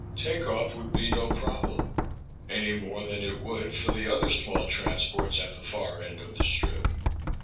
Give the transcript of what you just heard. Takeoff would be no problem, any more than it would for the other small transports at the far end of the strip.